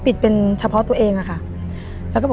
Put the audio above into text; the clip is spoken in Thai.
ปิดเป็นเฉพาะตัวเองอะค่ะ